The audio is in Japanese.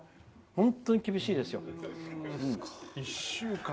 本当に厳しいですよ。